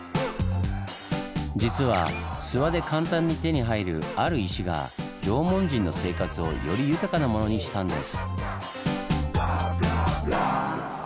実は諏訪で簡単に手に入るある石が縄文人の生活をより豊かなものにしたんです。